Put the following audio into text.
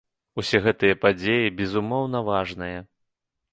Усе гэтыя падзеі, безумоўна, важныя.